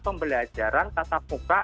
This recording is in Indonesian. pembelajaran tata muka